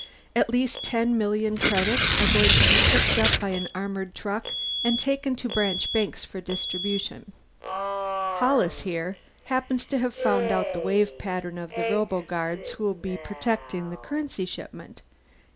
At least ten million credits are going to be picked up by an armored truck and taken to branch banks for distribution. "Hollis, here, happens to have found out the wave patterns of the roboguards who'll be protecting the currency shipment.